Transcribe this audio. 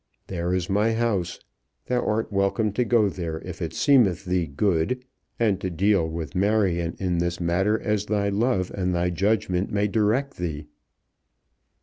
There is my house. Thou art welcome to go there if it seemeth thee good, and to deal with Marion in this matter as thy love and thy judgment may direct thee."